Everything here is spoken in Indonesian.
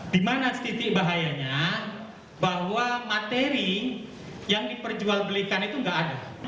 dimana titik bahayanya bahwa materi yang diperjual belikan itu gak ada